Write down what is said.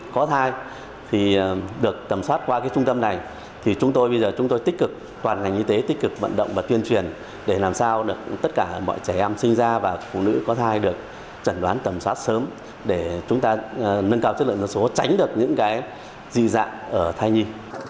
có thai thì được tầm soát qua cái trung tâm này thì chúng tôi bây giờ chúng tôi tích cực toàn ngành y tế tích cực vận động và tuyên truyền để làm sao tất cả mọi trẻ em sinh ra và phụ nữ có thai được trần đoán tầm soát sớm để chúng ta nâng cao chất lượng dân số tránh được những cái di dạng ở thai nhi